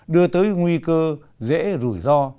đưa tới nguy cơ dễ rủi ro